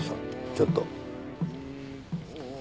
ちょっと。